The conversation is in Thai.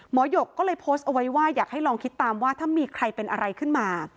หยกก็เลยโพสต์เอาไว้ว่าอยากให้ลองคิดตามว่าถ้ามีใครเป็นอะไรขึ้นมา